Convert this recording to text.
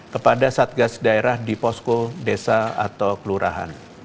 kepada satgas daerah di posko desa atau kelurahan